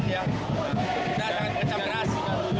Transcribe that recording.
kita akan mengecam keras